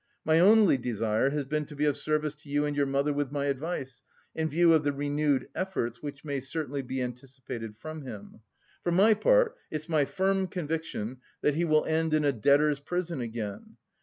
My only desire has been to be of service to you and your mother with my advice, in view of the renewed efforts which may certainly be anticipated from him. For my part it's my firm conviction, that he will end in a debtor's prison again.